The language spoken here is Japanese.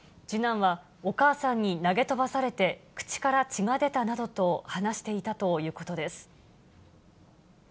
次男はお母さんに投げ飛ばされて、口から血が出たなどと話していたということです。